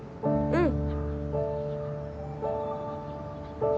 うん！